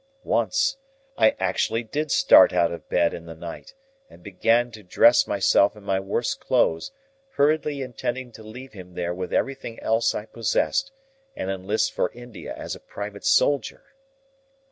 Once, I actually did start out of bed in the night, and begin to dress myself in my worst clothes, hurriedly intending to leave him there with everything else I possessed, and enlist for India as a private soldier.